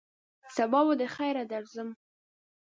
سبا دخیره درځم !